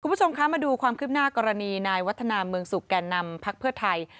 คุณผู้ชมคะมาดูความคืบหน้ากรณีนายวัฒนาเมืองสุขแก่นำพักเพื่อไทย